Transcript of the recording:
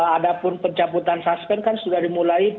ada pun pencaputan suspensi kan sudah dimulai